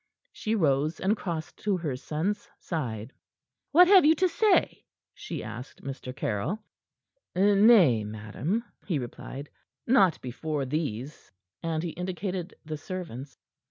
She rose, and crossed to her son's side. "What have you to say?" she asked Mr. Caryll. "Nay, madam," he replied, "not before these." And he indicated the servants.